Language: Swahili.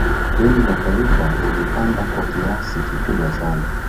deni la taifa lilipanda kwa kiasi kikubwa sana